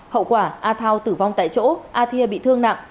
hậu quả a thao tử vong tại chỗ a thia bị thương nặng